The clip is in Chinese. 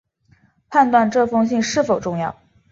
判断这封信是否重要